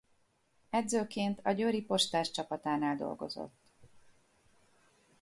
Edzőként a Győri Postás csapatánál dolgozott.